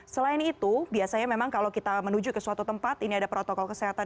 selain itu biasanya memang kalau kita menuju ke suatu tempat ini ada protokol kesehatan